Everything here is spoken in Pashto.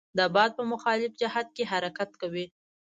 د باد په مخالف جهت کې حرکت کوي.